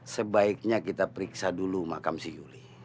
sebaiknya kita periksa dulu makam si yuli